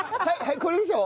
これでしょ？